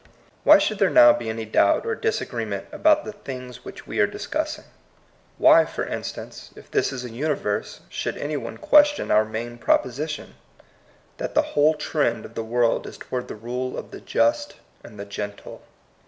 Why should there now be any doubt or disagreement about the things which we are discussing ? Why, for instance, if this is a universe, should any one question our main proposition, that the whole trend of the world is toward the rule of the just and the gentle?